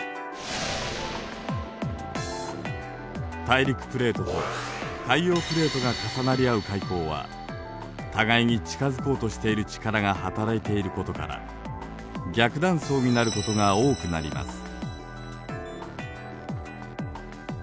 大陸プレートと海洋プレートが重なり合う海溝は互いに近づこうとしている力が働いていることから「逆断層」になることが多くなります。